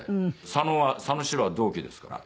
佐野は佐野史郎は同期ですから。